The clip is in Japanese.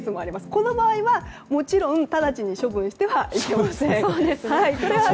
この場合はもちろん直ちに処分してはいけませんよ。